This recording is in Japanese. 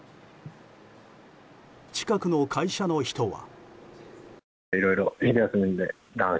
近くの会社の人は。